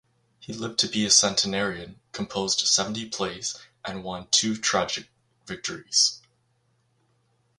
He lived to be a centenarian, composed seventy plays, and won two tragic victories.